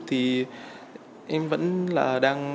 thì em vẫn là đang